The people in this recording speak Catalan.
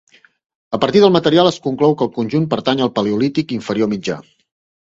A partir del material es conclou que el conjunt pertany al Paleolític Inferior Mitjà.